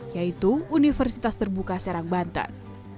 yaitu universitas terbuka serang banten